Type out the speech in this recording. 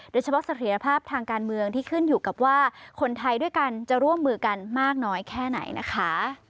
เสรียภาพทางการเมืองที่ขึ้นอยู่กับว่าคนไทยด้วยกันจะร่วมมือกันมากน้อยแค่ไหนนะคะ